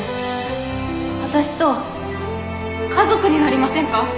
私と家族になりませんか？